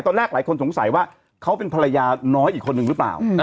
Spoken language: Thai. หลายคนสงสัยว่าเขาเป็นภรรยาน้อยอีกคนนึงหรือเปล่า